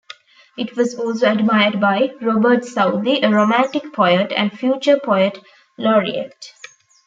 It was also admired by Robert Southey, a Romantic poet and future poet laureate.